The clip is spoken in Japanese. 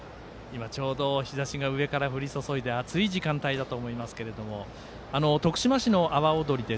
日ざしが上から降り注いで暑い時間帯かと思いますが徳島市の阿波おどり